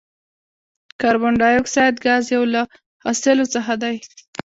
کاربن ډای اکساید ګاز یو له حاصلو څخه دی.